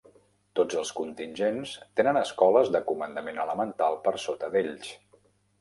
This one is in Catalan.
Tots els contingents tenen escoles de comandament elemental per sota d'ells.